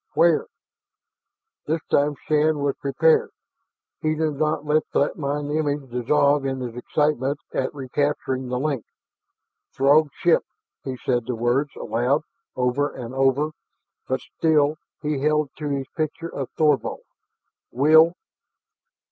"... where?" This time Shann was prepared; he did not let that mind image dissolve in his excitement at recapturing the link. "Throg ship," he said the words aloud, over and over, but still he held to his picture of Thorvald. "... will...."